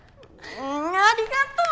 うんありがとう！